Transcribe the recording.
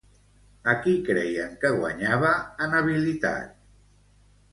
A qui creien que guanyava en habilitat?